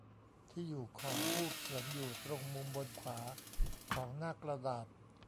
ที่อยู่ของผู้เขียน อยู่ตรงมุมบนขวาของหน้ากระดาษ